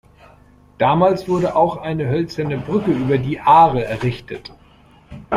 Damals wurde auch eine hölzerne Brücke über die Aare errichtet.